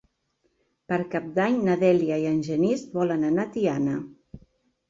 Per Cap d'Any na Dèlia i en Genís volen anar a Tiana.